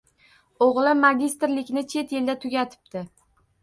O`g`li magistirlikni chet elda tugatibdi